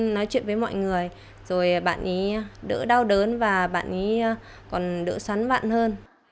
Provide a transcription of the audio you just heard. nói chuyện với mọi người rồi bạn ấy đỡ đau đớn và bạn ấy còn đỡ xoắn bạn hơn